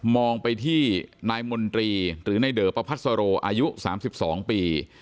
องไปที่นายมนตรีหรือนายเดอประพัสโรอายุ๓๒ปี